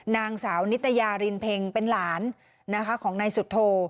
นางสาวนิตยารินเพ็งเป็นหลานของนายสุโธ